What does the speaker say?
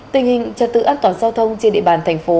tình hình trật tự an toàn giao thông trên địa bàn tp